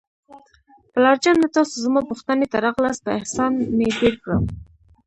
پلار جانه، تاسو زما پوښتنې ته راغلاست، په احسان مې زیر کړم.